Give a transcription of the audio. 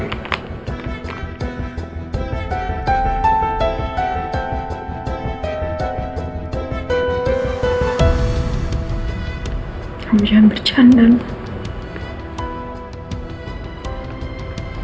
kamu jangan bercanda lu